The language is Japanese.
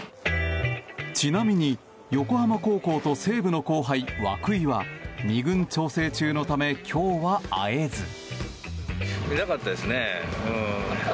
ちなみに横浜高校と西武の後輩涌井は、２軍調整中のため今日は会えず。